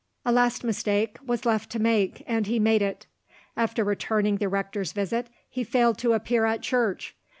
A last mistake was left to make, and he made it. After returning the rector's visit, he failed to appear at church.